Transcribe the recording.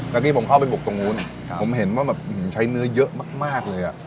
เมื่อกี้ผมเข้าไปบุกตรงนู้นครับผมเห็นว่าแบบอืมใช้เนื้อเยอะมากมากเลยอ่ะ